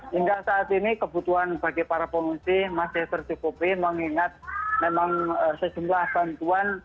hingga saat ini kebutuhan bagi para pengungsi masih tercukupi mengingat memang sejumlah bantuan